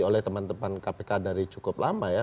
oleh teman teman kpk dari cukup lama ya